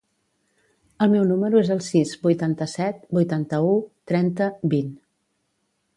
El meu número es el sis, vuitanta-set, vuitanta-u, trenta, vint.